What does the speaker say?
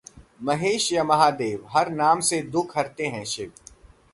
महेश या महादेव, हर नाम से दुख हरते हैं शिव